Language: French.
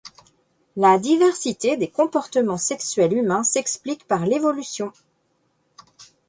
La diversité des comportements sexuels humains s'explique par l'évolution.